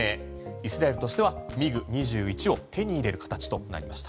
イスラエルとしてはＭｉＧ２１を手に入れる形となりました。